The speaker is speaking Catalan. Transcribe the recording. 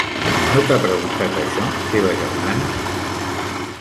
No t'ha preguntat això teva germana?